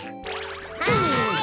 はい。